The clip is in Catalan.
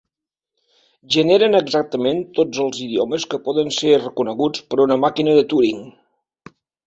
Generen exactament tots els idiomes que poden ser reconeguts per una màquina de Turing.